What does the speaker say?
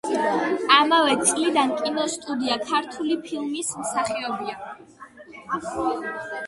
ამავე წლიდან კინოსტუდია „ქართული ფილმის“ მსახიობია.